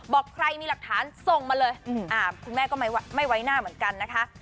บอกใครมีหลักฐานส่งมาเลยคุณแม่ก็ไม่ไว้หน้าเหมือนกันนะคะ